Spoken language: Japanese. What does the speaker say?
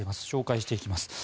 紹介していきます。